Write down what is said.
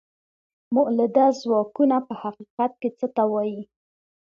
مؤلده ځواکونه په حقیقت کې څه ته وايي؟